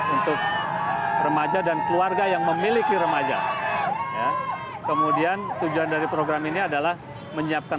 untuk remaja dan keluarga yang memiliki remaja kemudian tujuan dari program ini adalah menyiapkan